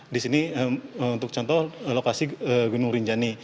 di sini untuk contoh lokasi gunung rinjani